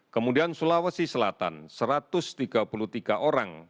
kemudian sulawesi selatan satu ratus tiga puluh tiga orang